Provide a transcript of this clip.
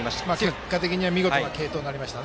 結果的には見事な継投になりました。